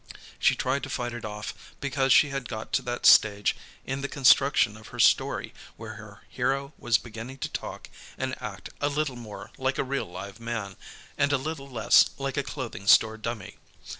She tried to fight it off because she had got to that stage in the construction of her story where her hero was beginning to talk and act a little more like a real live man, and a little less like a clothing store dummy.